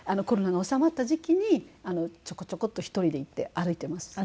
コロナの収まった時期にちょこちょこっと一人で行って歩いてます。